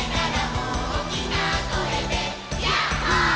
「おおきなこえでヤッホー」